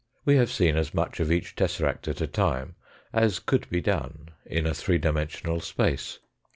We have seen as much of each tesseract at a time as could be done in a three dimen sional space.